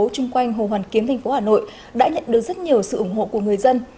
chung quanh hồ hoàn kiếm tp hà nội đã nhận được rất nhiều sự ủng hộ của người dân